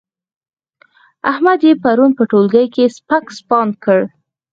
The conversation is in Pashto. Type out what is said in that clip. احمد يې پرون په ټولګي کې سپک سپاند کړ.